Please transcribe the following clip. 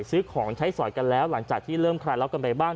ซื้อของใช้สอยกันแล้วหลังจากที่เริ่มคลายล็อกกันไปบ้าง